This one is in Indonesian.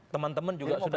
teman teman juga sudah